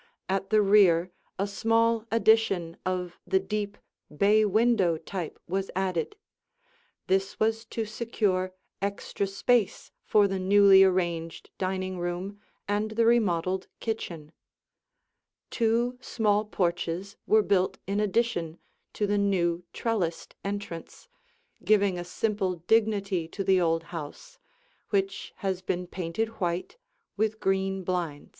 At the rear a small addition of the deep, bay window type was added; this was to secure extra space for the newly arranged dining room and the remodeled kitchen. Two small porches were built in addition to the new trellised entrance, giving a simple dignity to the old house, which has been painted white with green blinds.